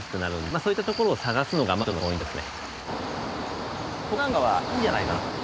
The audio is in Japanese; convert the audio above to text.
そういったところを探すのがまず一つのポイントですね。